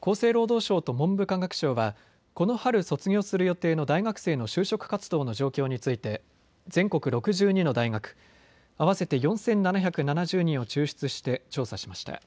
厚生労働省と文部科学省はこの春卒業する予定の大学生の就職活動の状況について全国６２の大学合わせて４７７０人を抽出して調査しました。